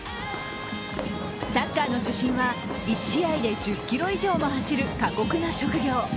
サッカーの主審は１試合で１０ｋｍ以上も走る過酷な職業。